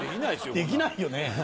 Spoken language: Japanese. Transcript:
できないよね。